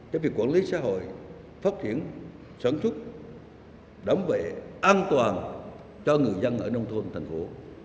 cho việc quản lý xã hội phát triển sản xuất đám vệ an toàn cho người dân ở nông thôn thành phố